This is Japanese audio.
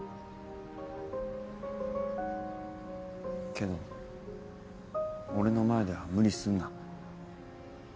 けど俺の前では無理すんな。